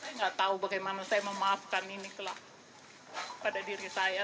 saya nggak tahu bagaimana saya memaafkan ini pada diri saya